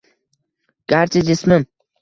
Garchi jismim